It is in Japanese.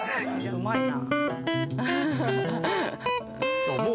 うまいな。